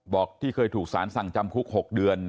ที่เคยถูกสารสั่งจำคุก๖เดือน